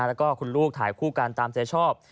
แล้วก็คุณลูกถ่ายคู่กันตามใจชอบ